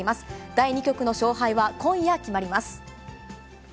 第２局の勝敗は今夜決まります。